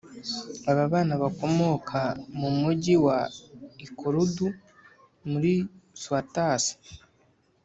Aba bana bakomoka mu Mujyi wa Ikorodu muri swatasi